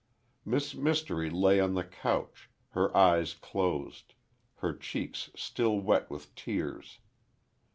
Miss Mystery lay on the couch, her eyes closed, her cheeks still wet with tears.